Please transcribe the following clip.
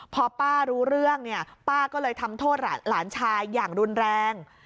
พอป้ารู้เรื่องเนี่ยป้าก็เลยทำโทษหลานชายอย่างรุนแรง